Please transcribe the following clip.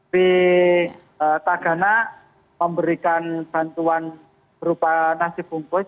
di tagana memberikan bantuan berupa nasibungkus